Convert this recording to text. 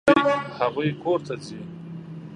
هغوی کور ته ځي.